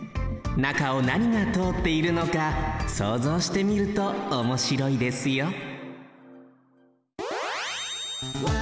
中をなにがとおっているのかそうぞうしてみるとおもしろいですよ